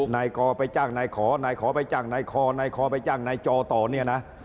นายกอไปจ้างนายขอนายขอไปจ้างนายคอนายคอไปจ้างนายจอต่อเนี่ยนะ